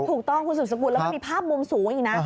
ถูกต้องคุณสุดสกุลแล้วมันมีภาพมุมสูงอีกนะ